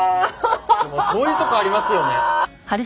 そういうとこありますよね。